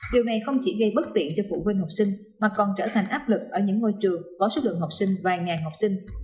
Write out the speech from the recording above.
điều này không chỉ gây bất tiện cho phụ huynh học sinh mà còn trở thành áp lực ở những ngôi trường có số lượng học sinh vài ngàn học sinh